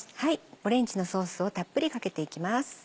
オレンジのソースをたっぷりかけていきます。